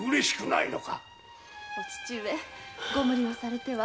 お父上ご無理なされては。